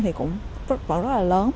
thì cũng vẫn rất là lớn